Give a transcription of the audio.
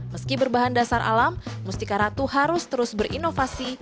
meski berbahan dasar alam mustika ratu harus terus berinovasi